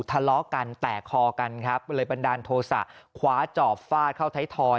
ทะเลาะกันแตกคอกันครับเลยบันดาลโทษะคว้าจอบฟาดเข้าไทยทอย